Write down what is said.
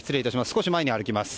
少し前に歩きます。